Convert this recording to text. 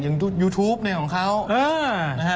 อย่างยูทูปเนี่ยของเค้านะฮะ